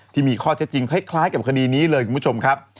ที่มีข้อเท็จจริงคล้ายกับคดีนี้เลยคุณผู้ชมครับ